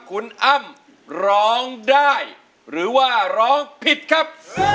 คุณอ้ำร้องได้หรือว่าร้องผิดครับ